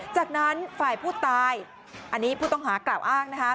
จากนั้นฝ่ายผู้ตายอันนี้ผู้ต้องหากล่าวอ้าง